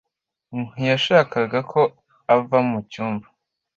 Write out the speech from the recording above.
Ntiyashakaga ko ava mu cyumba